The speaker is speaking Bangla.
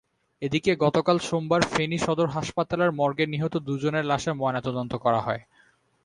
এদিকে গতকাল সোমবার ফেনী সদর হাসপাতালের মর্গে নিহত দুজনের লাশের ময়নাতদন্ত করা হয়।